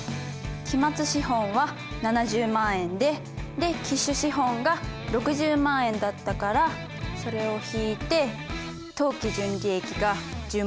期末資本は７０万円で期首資本が６０万円だったからそれを引いて当期純利益が１０万円？